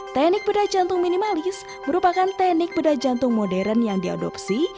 teknik bedah jantung minimalis merupakan teknik bedah jantung modern yang diadopsi